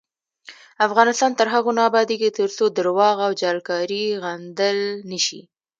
افغانستان تر هغو نه ابادیږي، ترڅو درواغ او جعلکاری غندل نشي.